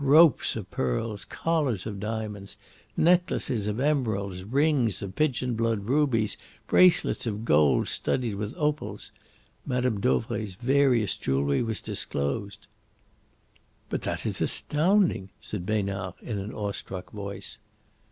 Ropes of pearls, collars of diamonds, necklaces of emeralds, rings of pigeon blood rubies, bracelets of gold studded with opals Mme. Dauvray's various jewellery was disclosed. "But that is astounding," said Besnard, in an awe struck voice.